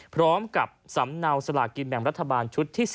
สำหรับสำเนาสลากินแบ่งรัฐบาลชุดที่๓